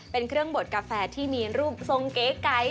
เป็นเครื่องบดกาแฟที่มีรูปทรงเก๋ไก่